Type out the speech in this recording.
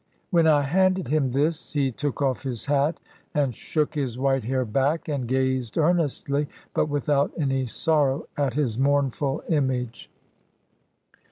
When I handed him this, he took off his hat, and shook his white hair back, and gazed earnestly, but without any sorrow, at his mournful image.